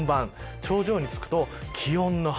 頂上に着くと、気温の春。